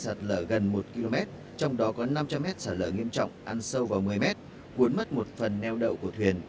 sạt lở gần một km trong đó có năm trăm linh mét sạt lở nghiêm trọng ăn sâu vào một mươi mét cuốn mất một phần neo đậu của thuyền